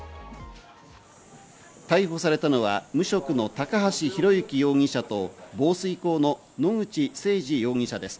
逮捕されたのは無職の高橋広幸容疑者と防水工の野口誠治容疑者です。